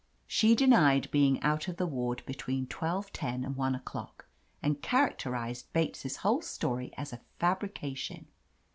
She denied being out of the ward between twelve ten and one o'clock, and characterized Bates' whole story as a fabrication.